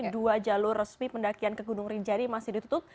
dua jalur resmi pendakian ke gunung rinjani masih ditutup